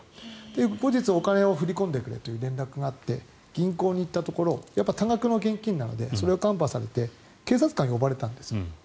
後日、お金を振り込んでくれという連絡があって銀行に行ったところ多額の現金なので警察官が呼ばれたんです。